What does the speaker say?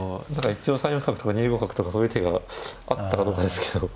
一応３四角とか２五角とかそういう手があったかどうかですけど。